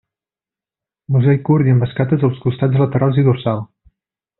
Musell curt i amb escates als costats laterals i dorsal.